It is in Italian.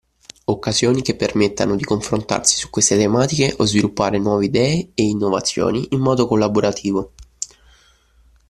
Occasioni che permettano di confrontarsi su queste tematiche o sviluppare nuove idee e innovazioni in modo collaborativo